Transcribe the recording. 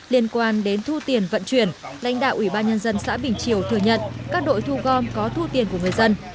liên quan đến thu tiền vận chuyển lãnh đạo ủy ban nhân dân xã bình triều thừa nhận các đội thu gom có thu tiền của người dân